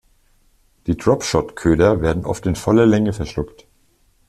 Die Drop-Shot-Köder werden oft in voller Länge verschluckt.